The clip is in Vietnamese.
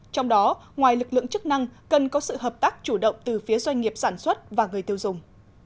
trong đó ngoài lực lượng chức năng cần có sự hợp tác chủ động từ phía doanh nghiệp sản xuất và người tiêu dùng